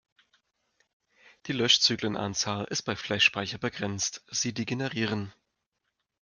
Die Löschzyklenanzahl ist bei Flash-Speicher begrenzt; sie degenerieren.